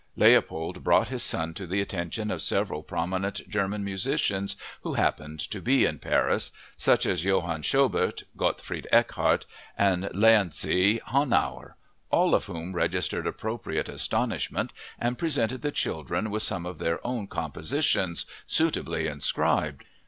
Leopold brought his son to the attention of several prominent German musicians who happened to be in Paris, such as Johann Schobert, Gottfried Eckhart, and Leontzi Honnauer, all of whom registered appropriate astonishment and presented the children with some of their own compositions, suitably inscribed.